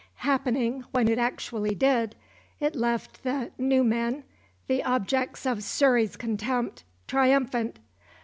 Happening when it actually did, it left the "new men," the objects of Surrey's contempt, triumphant.